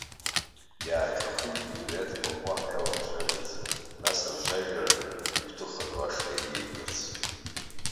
Иааҿахиҵәеит уи аӡбахә уаҳа иаламцәажәарц, нас рцәажәара игәҭыха ду ашҟа ииаигарц.